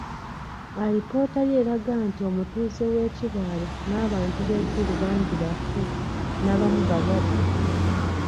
Alipoota ye eraga nti omutuuze w'e Kibaale n'abantu b'e Gulu bangi bafu n'abamu balwadde.